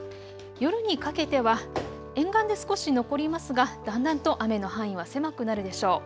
夜にかけては沿岸で少し残りますがだんだんと雨の範囲は狭くなるでしょう。